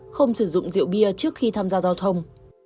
không sử dụng rượu bia trước khi tham gia giao thông